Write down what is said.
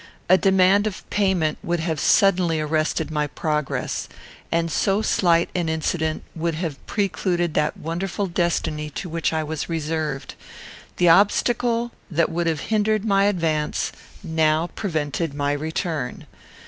A demand of payment would have suddenly arrested my progress; and so slight an incident would have precluded that wonderful destiny to which I was reserved. The obstacle that would have hindered my advance now prevented my return.